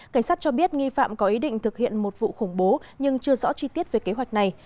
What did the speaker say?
cảnh sát cho biết nghi phạm có ý định thực hiện một vụ khủng bố nhưng chưa rõ chi tiết về kế hoạch này